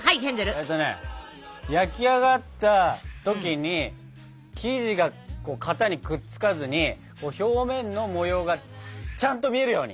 えとね焼き上がった時に生地が型にくっつかずに表面の模様がちゃんと見えるように！